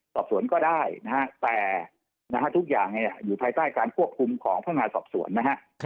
สอบสวนก็ได้นะฮะแต่ทุกอย่างอยู่ภายใต้การควบคุมของพนักงานสอบสวนนะฮะ